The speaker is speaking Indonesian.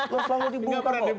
lo selalu dibuka kok